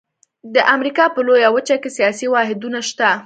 د امریکا په لویه وچه کې سیاسي واحدونه شته.